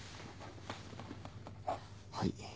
はい。